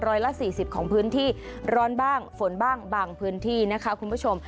ร้อยละสี่สิบของพื้นที่ร้อนบ้างฝนบ้างบางพื้นที่นะคะคุณผู้ชม